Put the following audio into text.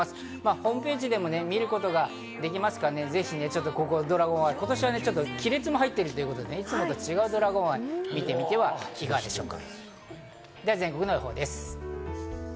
ホームページでも見ることができますから、ドラゴンアイ、今年は亀裂も入ってるということで、いつもと違うドラゴンアイを見てみてはいかがでしょうか。